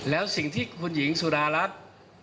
แล้วสิ่งที่คุณหญิงสุดารัฐ